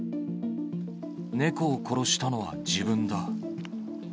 猫を殺したのは自分だ。